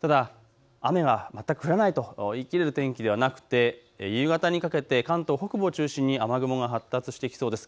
ただ雨が全く降らないと言い切れる天気ではなくて、夕方にかけて関東北部を中心に雨雲が発達してきそうです。